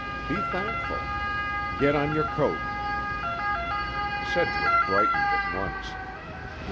Be thankful. Get on your coat." Sedgwick brightened at once.